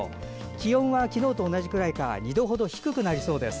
気温は昨日と同じくらいか２度程低くなりそうです。